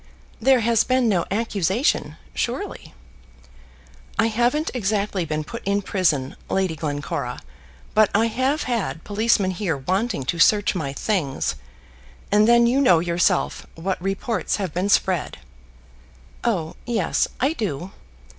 "There has been no accusation, surely?" "I haven't exactly been put in prison, Lady Glencora, but I have had policemen here wanting to search my things; and then you know yourself what reports have been spread." "Oh, yes; I do.